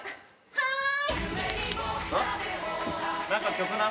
はい。